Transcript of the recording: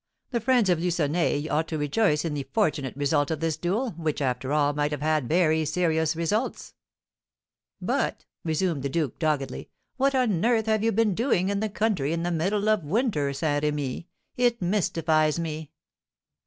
The friends of Lucenay ought to rejoice in the fortunate result of this duel, which, after all, might have had very serious results." "But," resumed the duke, doggedly, "what on earth have you been doing in the country in the middle of winter, Saint Remy? It mystifies me."